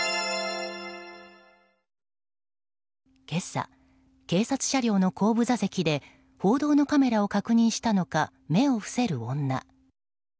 今朝、警察車両の後部座席で報道のカメラを確認したのか目を伏せる女。